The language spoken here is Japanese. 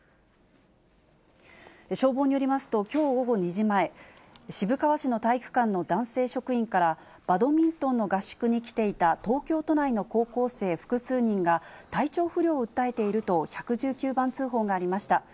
消防によりますと、きょう午後２時前、渋川市の体育館の男性職員から、バドミントンの合宿に来ていた東京都内の高校生複数人が、体調不良を訴えていると、１１９番通報がありました。